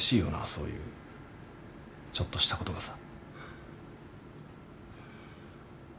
そういうちょっとしたことがさ。